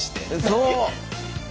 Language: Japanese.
そう！